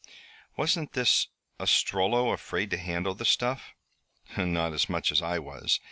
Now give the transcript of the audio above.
"Wasn't this Ostrello afraid to handle the stuff?" "Not as much as I was.